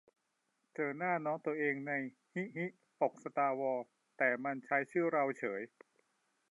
เจอหน้าน้องตัวเอง ใน ฮิฮิ ปกสตาร์วอร์ แต่มันใช้ชื่อเราเฉย